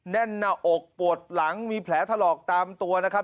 แน่นหน้าอกปวดหลังมีแผลถลอกตามตัวนะครับ